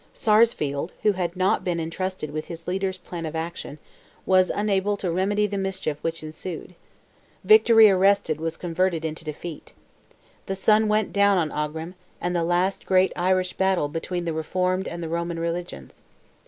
Sarsfield, who had not been entrusted with his leader's plan of action, was unable to remedy the mischief which ensued. Victory arrested was converted into defeat. The sun went down on Aughrim, and the last great Irish battle between the Reformed and Roman religions.